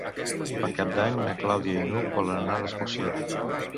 Per Cap d'Any na Clàudia i n'Hug volen anar d'excursió.